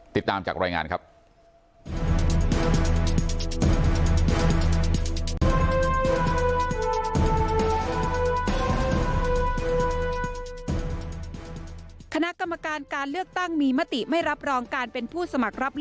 ติดตามจากรายงานครับ